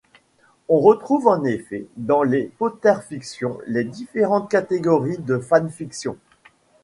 On retrouve en effet dans les potterfictions les différentes catégories de fanfictions.